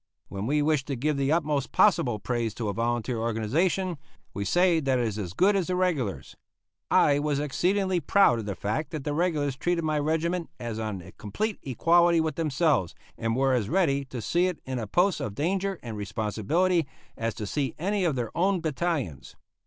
When we wish to give the utmost possible praise to a volunteer organization, we say that it is as good as the regulars. I was exceedingly proud of the fact that the regulars treated my regiment as on a complete equality with themselves, and were as ready to see it in a post of danger and responsibility as to see any of their own battalions.